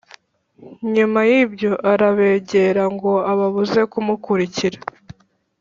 nyuma yibyo arabegera ngo ababuze kumukurikira